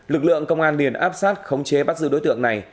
lực lượng công an liền áp sát khống chế bắt giữ đối tượng này